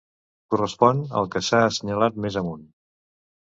Correspon al que s'ha assenyalat més amunt.